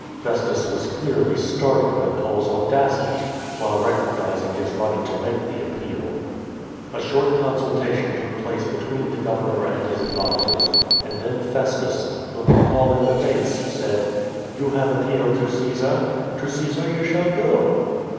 Festus was clearly startled at Paul's audacity, while recognising his right to make the appeal. A short consultation took place between the governor and his advisers, and then Festus, looking Paul in the face, said: " You have appealed to Csesar ? To Caesar you shall go.